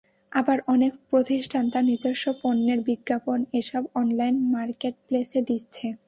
আবার অনেক প্রতিষ্ঠান তার নিজস্ব পণ্যের বিজ্ঞাপন এসব অনলাইন মার্কেটপ্লেসে দিচ্ছে।